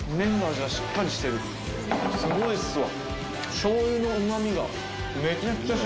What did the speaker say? すごいっすわ。